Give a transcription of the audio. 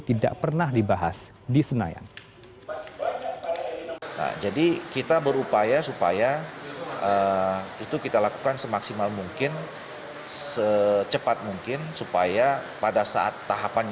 tidak pernah dibahas di senayan